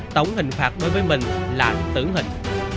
tổng hình phạt đối với minh là tử hình